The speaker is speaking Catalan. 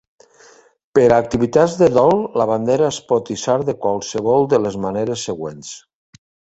Per a activitats de dol, la bandera es pot hissar de qualsevol de les maneres següents.